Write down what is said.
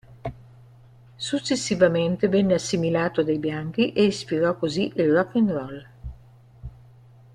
Successivamente venne assimilato dai bianchi e ispirò così il rock and roll.